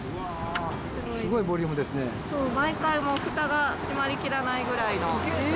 そう、毎回ふたが閉まりきらないぐらいの。